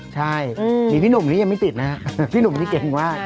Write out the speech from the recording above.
ใช่มีพี่หนุ่มนี่ยังไม่ติดนะฮะพี่หนุ่มนี่เก่งมาก